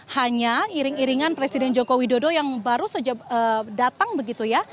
hanya iring iringan presiden joko widodo yang baru saja datang begitu ya